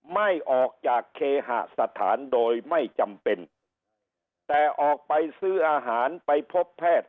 ไม่ออกจากเคหสถานโดยไม่จำเป็นแต่ออกไปซื้ออาหารไปพบแพทย์